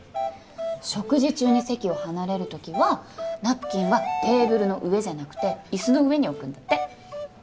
食事中に席を離れるときはナプキンはテーブルの上じゃなくて椅子の上に置くんだって。